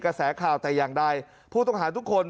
กระแสข่าวแต่อย่างใดผู้ต้องหาทุกคน